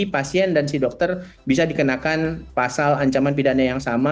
pasien dan si dokter bisa dikenakan pasal ancaman pidana yang sama